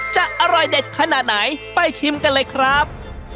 จะอร่อยเด็ดขนาดไหนไปชิมกันเลยครับ